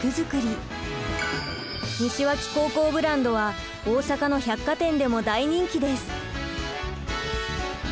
西脇高校ブランドは大阪の百貨店でも大人気です。